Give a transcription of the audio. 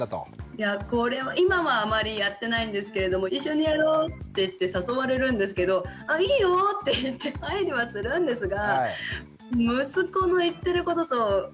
いやぁこれは今はあまりやってないんですけれども「一緒にやろう」っていって誘われるんですけど「あいいよ」って言って入りはするんですが。